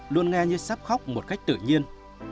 luôn nghe như sắp khóc một cách tự nhiên